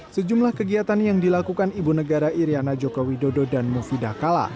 sejumlah kegiatan yang dilakukan ibu negara iryana joko widodo dan mufidah kala